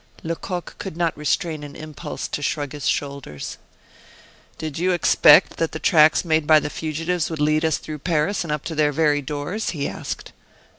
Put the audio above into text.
Lecoq could not restrain an impulse to shrug his shoulders. "Did you expect that the tracks made by the fugitives would lead us through Paris and up to their very doors?" he asked.